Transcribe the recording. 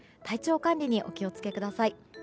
体調管理にお気を付けください。